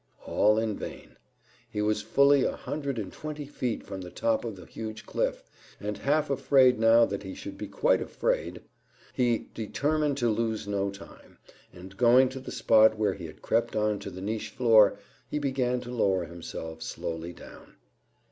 All in vain. He was fully a hundred and twenty feet from the top of the huge cliff, and, half afraid now that he should be quite afraid, he determined to lose no time, and, going to the spot where he had crept on to the niche floor, he began to lower himself slowly down.